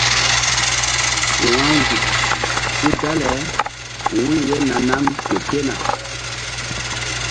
Wo̧ronzuk hul dale wu̧y ye na nam ke tena.